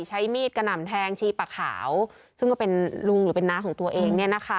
ใช้มีดกระหน่ำแทงชีปะขาวซึ่งก็เป็นลุงหรือเป็นน้าของตัวเองเนี่ยนะคะ